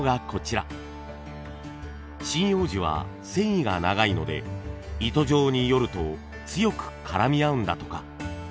針葉樹は繊維が長いので糸状によると強く絡み合うんだとか。